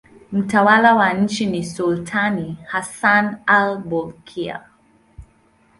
Mtawala wa nchi ni sultani Hassan al-Bolkiah.